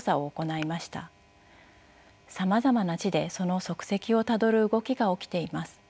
さまざまな地でその足跡をたどる動きが起きています。